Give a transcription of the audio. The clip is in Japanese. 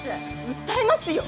訴えますよ。